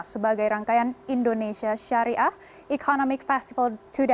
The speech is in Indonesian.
sebagai rangkaian indonesia syariah economic festival dua ribu dua puluh